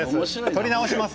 撮り直します